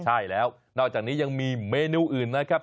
ใช่แล้วนอกจากนี้ยังมีเมนูอื่นนะครับ